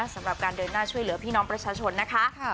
สำหรับการเดินหน้าช่วยเหลือพี่น้องประชาชนนะคะ